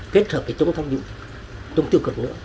kết hợp với trung tư cực